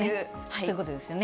そういうことですよね。